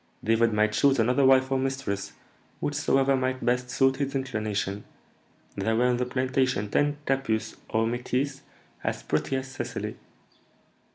David might choose another wife or mistress, whichsoever might best suit his inclination; there were in the plantation ten capusses or métisses as pretty as Cecily.